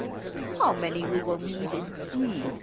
"How many we will need, indeed!"